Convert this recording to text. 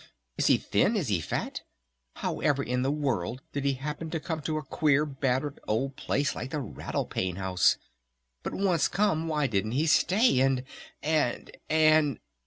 Is he thin? Is he fat? However in the world did he happen to come to a queer, battered old place like the Rattle Pane House? But once come why didn't he stay? And And And